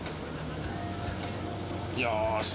よし。